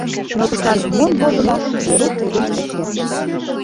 Но тушан мом возымо — Веруш лудын ок керт.